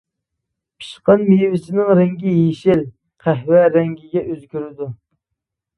پىشقان مېۋىسىنىڭ رەڭگى يېشىل قەھۋە رەڭگىگە ئۆزگىرىدۇ.